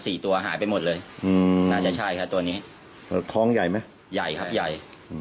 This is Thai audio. ตัวหายไปหมดเลยอืมน่าจะใช่ครับตัวนี้ท้องใหญ่ไหมใหญ่ครับใหญ่อืม